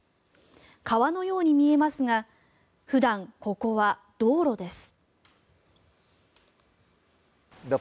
川のように見えますが普段、ここは道路です。